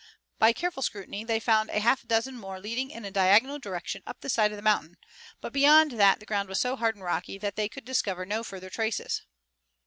By careful scrutiny they found a half dozen more leading in a diagonal direction up the side of the mountain, but beyond that the ground was so hard and rocky that they could discover no further traces.